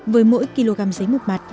với mỗi kg giấy một mặt